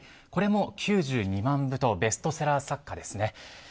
これも９２万部とベストセラー作家ですね。